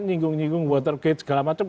nyinggung nyinggung watergate segala macem